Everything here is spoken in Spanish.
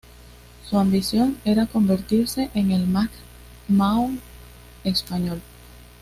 Su ambición era convertirse en el Mac-Mahon español.